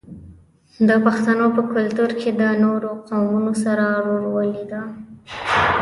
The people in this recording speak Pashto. د پښتنو په کلتور کې د نورو قومونو سره ورورولي ده.